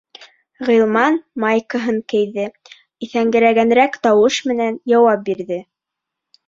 Ғилман майкаһын кейҙе, иҫәңгерәгәнерәк тауыш менән яуап бирҙе: